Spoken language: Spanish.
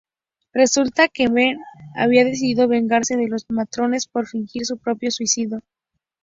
Resulta que Ben había decidido vengarse de los matones por fingir su propio suicidio.